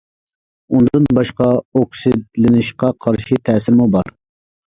ئۇندىن باشقا ئوكسىدلىنىشقا قارشى تەسىرىمۇ بار.